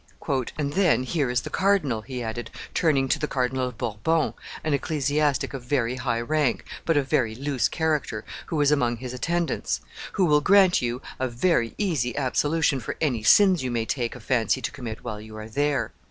"And then here is the cardinal," he added, turning to the Cardinal of Bourbon, an ecclesiastic of very high rank, but of very loose character, who was among his attendants, "who will grant you a very easy absolution for any sins you may take a fancy to commit while you are there."